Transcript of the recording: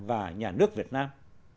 và nhà nước việt nam